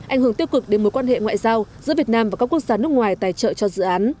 ảnh hưởng tiêu cực đến mối quan hệ ngoại giao giữa việt nam và các quốc gia nước ngoài tài trợ cho dự án